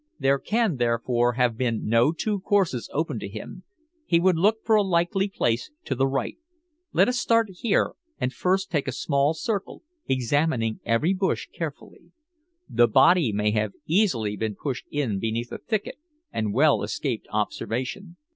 There can therefore have been no two courses open to him. He would look for a likely place to the right. Let us start here, and first take a small circle, examining every bush carefully. The body may have easily been pushed in beneath a thicket and well escape observation."